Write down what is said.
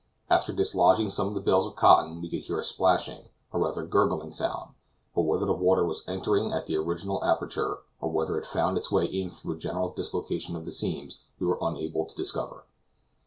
After dislodging some of the bales of cotton we could hear a splashing, or rather gurgling sound; but whether the water was entering at the original aperture, or whether it found its way in through a general dislocation of the seams, we were unable to discover.